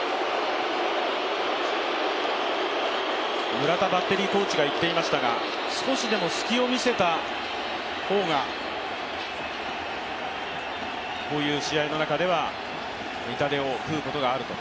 村田バッテリーコーチが言っていましたが、少しでも隙を見せた方がこういう試合の中では痛手を食うことがあると。